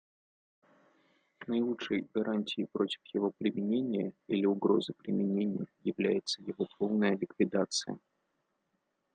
Наилучшей гарантией против его применения или угрозы применения является его полная ликвидация.